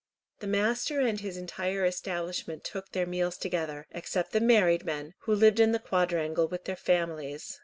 The master and his entire establishment took their meals together, except the married men, who lived in the quadrangle with their families.